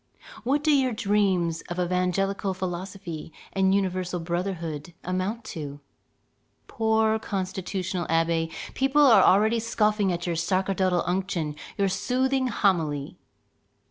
what do your dreams of evangelical philosophy and universal brotherhood amount to? Poor constitutional abbé, people are scoffing already at your sacerdotal unction, your soothing homily!